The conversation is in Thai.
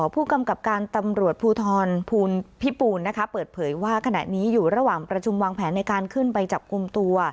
ผู้กำกับการตำรวจภูทรพิปูนนะคะเปิดเผยว่าขณะนี้อยู่ระหว่างประชุมวางแผนในการขึ้นไปจับกลุ่มตัว